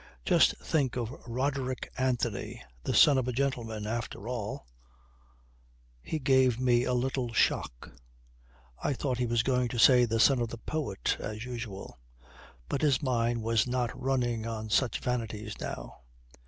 Just think of Roderick Anthony, the son of a gentleman, after all ..." He gave me a little shock. I thought he was going to say the "son of the poet" as usual; but his mind was not running on such vanities now.